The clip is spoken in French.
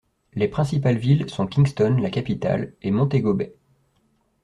Les principales villes sont Kingston, la capitale, et Montego Bay.